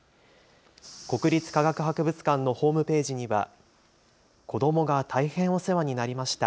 国立科学博物館のホームページには子どもが大変お世話になりました。